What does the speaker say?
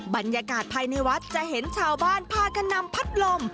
บรรยากาศภายในวัดจะเห็นชาวบ้านพากันนำพัดลม